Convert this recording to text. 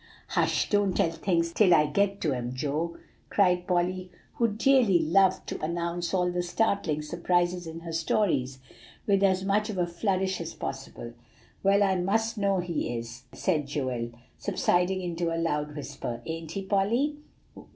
"Hush, don't tell things till I get to 'em, Joe," cried Polly, who dearly loved to announce all the startling surprises in her stories with as much of a flourish as possible. "Well, I most know he is," said Joel, subsiding into a loud whisper. "Ain't he, Polly?"